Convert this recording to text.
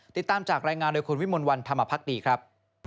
ติดตามจากรายงานโดยคุณวิมลวันธรรมภักดีครับ